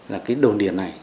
là cái đồn điện này